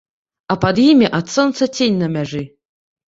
А пад імі ад сонца цень на мяжы.